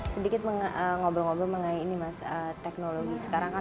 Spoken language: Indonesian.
sedikit ngobrol ngobrol mengenai ini mas teknologi sekarang kan